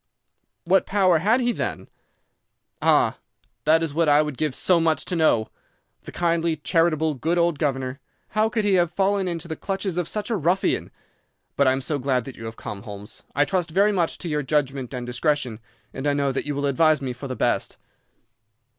"'What power had he, then?' "'Ah, that is what I would give so much to know. The kindly, charitable, good old governor—how could he have fallen into the clutches of such a ruffian! But I am so glad that you have come, Holmes. I trust very much to your judgment and discretion, and I know that you will advise me for the best.